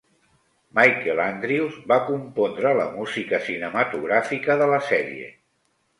Michael Andrews va compondre la música cinematogràfica de la sèrie.